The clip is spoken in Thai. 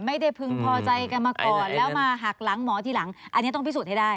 พึงพอใจกันมาก่อนแล้วมาหักหลังหมอทีหลังอันนี้ต้องพิสูจน์ให้ได้